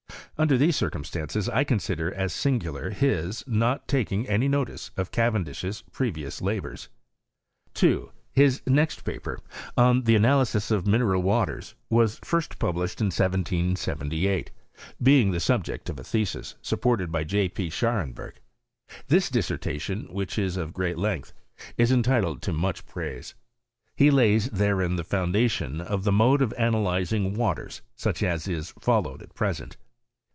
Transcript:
Under these circumstances, I consider as singular his not taking any notice of Cayendish's preyious labours. 2. His next paper, On the Analyses of Mineral Waters," was fiist published in 1778, being the subject of a thesis, supported by J. P. Scharenberg. This dissertation, which i^of great length, is entitlol to much praise. He lays therein the foundation of the mode of analyzing waters, such as is followed at present.